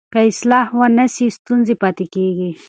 که اصلاح ونه سي ستونزې پاتې کېږي.